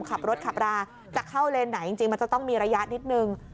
ขับรถขับราจะเข้าเลนไหนจริงมันจะต้องมีระยะนิดนึง